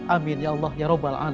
amin ya allah ya rabbal